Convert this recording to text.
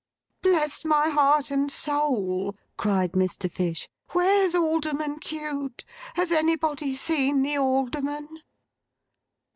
'Bless my heart and soul!' cried Mr. Fish. 'Where's Alderman Cute? Has anybody seen the Alderman?